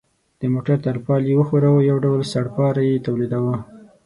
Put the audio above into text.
د موټر ترپال یې ښوراوه او یو ډول سړپاری یې تولیداوه.